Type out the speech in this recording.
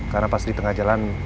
karena pas di tengah jalan